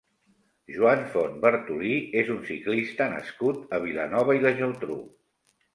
Joan Font Bertolí és un ciclista nascut a Vilanova i la Geltrú.